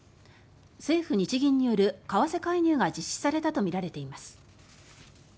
政府・日銀による為替介入が実施されたとみられています。